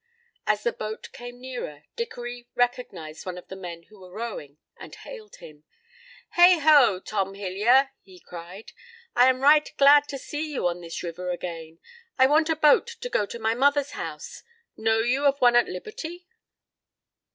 As the boat came nearer, Dickory recognised one of the men who were rowing and hailed him. "Heigho! Tom Hilyer," he cried, "I am right glad to see you on this river again. I want a boat to go to my mother's house; know you of one at liberty?"